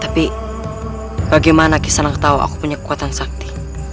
tapi bagaimana kisanak tahu aku punya kekuatan sakti